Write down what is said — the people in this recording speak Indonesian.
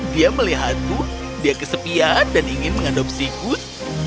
dia melihatku dia kesepiaan dan ingin mengandung sikut